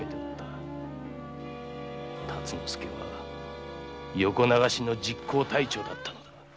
達之助は横流しの実行隊長だったのだ。